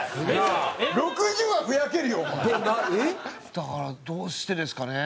だからどうしてですかね？